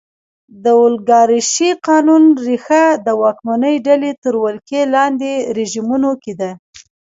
د اولیګارشۍ قانون ریښه د واکمنې ډلې تر ولکې لاندې رژیمونو کې ده.